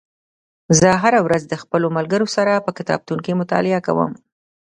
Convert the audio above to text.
زه هره ورځ د خپلو ملګرو سره په کتابتون کې مطالعه کوم